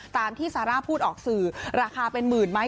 ตามที่ซาร่าพูดออกสื่อราคาเป็นหมื่นไหม